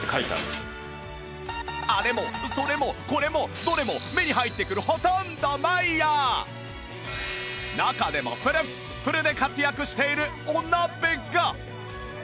あれもそれもこれもどれも目に入ってくる中でもフルッフルで活躍しているお鍋が